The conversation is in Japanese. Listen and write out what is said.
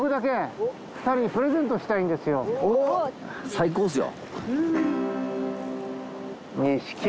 最高っすよ